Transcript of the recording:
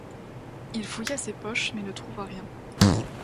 Il fouilla ses poches mais ne trouva rien.